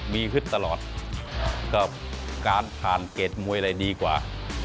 มีขึ้นตลอดก็การผ่านเกรดมวยอะไรดีกว่า